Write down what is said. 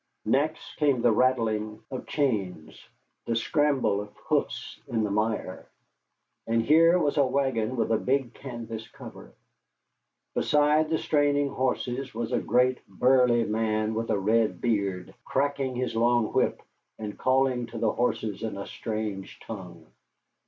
Next came the rattling of chains, the scramble of hoofs in the mire, and here was a wagon with a big canvas cover. Beside the straining horses was a great, burly man with a red beard, cracking his long whip, and calling to the horses in a strange tongue.